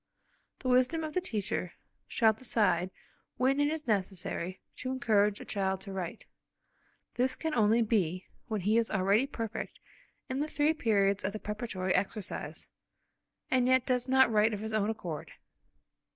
The wisdom of the teacher shall decide when it is necessary to encourage a child to write. This can only be when he is already perfect in the three periods of the preparatory exercise, and yet does not write of his own accord.